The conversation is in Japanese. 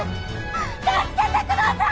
助けてください！